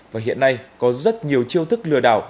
và hiện nay có rất nhiều chiêu thức lừa đảo